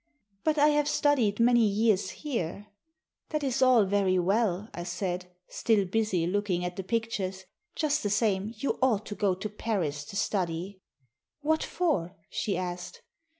"But I have studied many years here." "That is all very well," I said, still busy looking at the pictures. "Just the same you ought to go to Paris to study." "What for?" she asked.